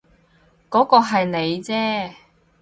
嗰個係你啫